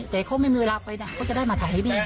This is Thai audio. แต่เขาไม่มีเวลาไปนะเขาจะได้มาถ่ายให้นี่